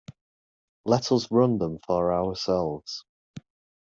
Let us run them for ourselves.